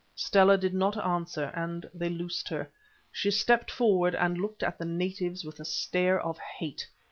Stella did not answer, and they loosed her. She stepped forward and looked at the natives with a stare of hate.